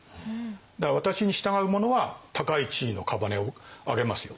だから私に従う者は高い地位の姓をあげますよと。